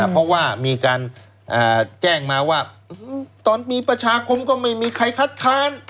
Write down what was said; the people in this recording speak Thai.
เพราะว่ามีการแจ้งมาว่าตอนมีประชาคมก็ไม่มีใครคัดค้าน